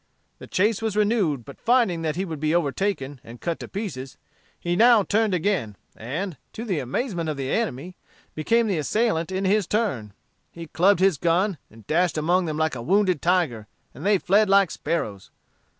The chase was renewed, but finding that he would be overtaken and cut to pieces, he now turned again, and, to the amazement of the enemy, became the assailant in his turn. He clubbed his gun, and dashed among them like a wounded tiger, and they fled like sparrows.